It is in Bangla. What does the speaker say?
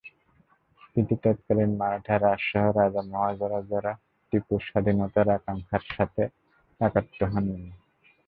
কিন্তু তৎকালীন মারাঠা রাজাসহ রাজা-মহারাজারা টিপুর স্বাধীনতার আকাঙ্ক্ষার সঙ্গে একাত্ম হননি।